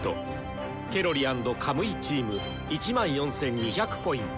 ケロリ＆カムイチーム１４２００Ｐ。